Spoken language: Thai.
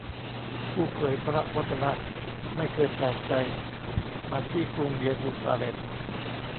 ผู้เผยพระวจนะไม่เคยแปลกใจมาที่กรุงเยรูซาเล็ม